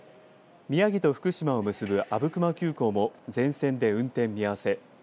宮城と福島を結ぶ阿武隈急行も全線で運転見合わせ。